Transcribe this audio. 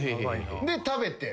で食べて。